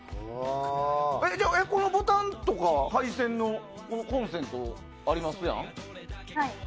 このボタンとかは配線のコンセントありますやん。